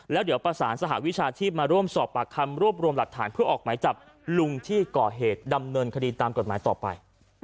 แล้วเดี๋ยวประสานสหวิชาชีพมาร่วมสอบปากคำรวบรวมหลักฐานเพื่อออกหมายจับลุงที่ก่อเหตุดำเนินคดีตามกฎหมายต่อไป